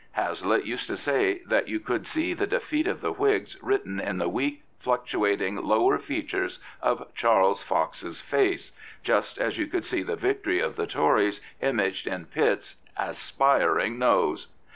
Hazlitt used to say that you could see the defeat of the Whigs written in the weak, fluctuating lower features of Charles Fox's face, just as you could see the victory of the Tories imaged in Pitt's " aspiring nose."